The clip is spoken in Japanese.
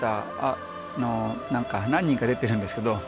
何人か出てるんですけど。